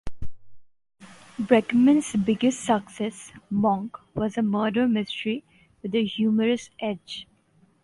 Breckman's biggest success, "Monk", was a murder-mystery with a humorous edge.